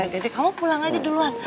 jadi kamu pulang aja duluan